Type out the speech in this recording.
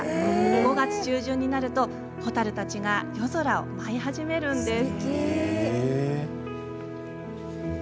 ５月中旬になると蛍たちが夜空を舞い始めるんです。